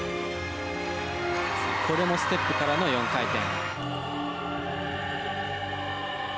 これもステップからの４回転。